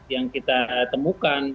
yang kita temukan